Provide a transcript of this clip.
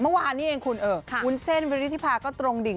เมื่อวานนี้เองคุณวุ้นเส้นวิริธิภาก็ตรงดิ่ง